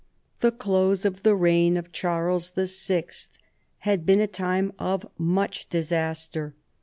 The close of the reign of Charles VI. had been a time of much disaster.